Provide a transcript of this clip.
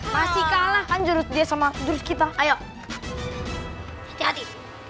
masih kalah kan jurus dia sama jurus kita ayo jadi